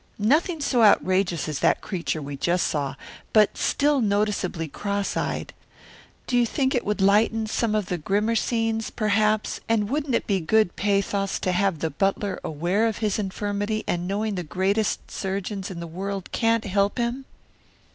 Nothing so outrageous as that creature we just saw, but still noticeably cross eyed. Do you think it would lighten some of the grimmer scenes, perhaps, and wouldn't it be good pathos to have the butler aware of his infirmity and knowing the greatest surgeons in the world can't help him?"